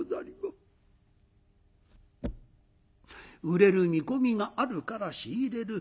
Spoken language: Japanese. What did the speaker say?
売れる見込みがあるから仕入れる。